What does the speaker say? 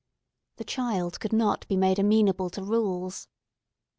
The child could not be made amenable to rules.